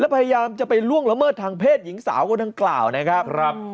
พยายามจะไปล่วงละเมิดทางเพศหญิงสาวคนดังกล่าวนะครับ